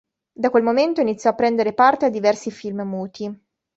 Da quel momento iniziò a prendere parte a diversi film muti.